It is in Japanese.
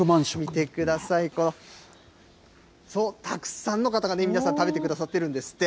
見てください、この、たくさんの方が皆さん食べてくださってるんですって。